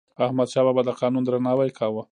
احمدشاه بابا د قانون درناوی کاوه.